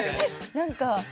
何か。